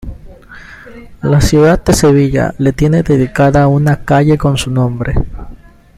La ciudad de Sevilla le tiene dedicada una calle con su nombre.